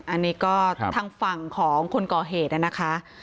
อันนี้ก็ทางฝั่งของคนก่อเหตุนะคะ